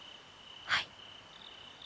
はい。